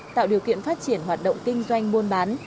tạo điều kiện phát triển hoạt động kinh doanh buôn bán